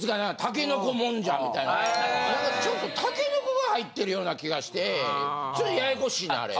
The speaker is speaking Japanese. だからちょっと竹の子が入ってるような気がしてちょっとややこしいねんあれ。